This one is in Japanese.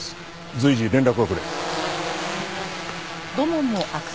随時連絡をくれ。